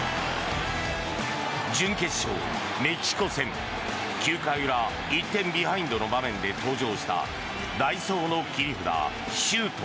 準決勝、メキシコ戦。９回裏１点ビハインドの場面で登場した代走の切り札、周東。